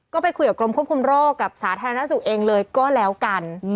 ก็ไปคุยกับกรมควบคุมโรคกับสาธารณสุขเองเลยก็แล้วกัน